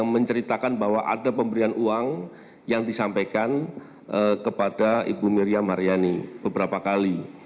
menceritakan bahwa ada pemberian uang yang disampaikan kepada ibu miriam haryani beberapa kali